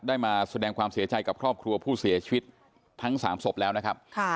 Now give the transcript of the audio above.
มาแสดงความเสียใจกับครอบครัวผู้เสียชีวิตทั้ง๓ศพแล้วนะครับ